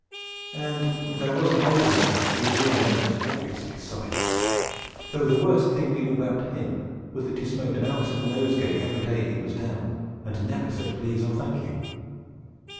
And there was an older man whose real name was obviously Sikes, though the worst thing we knew about him was that he smoked an ounce of Nosegay every day he was down, and never said please or thank you.